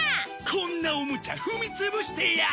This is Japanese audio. こんなおもちゃ踏みつぶしてやる！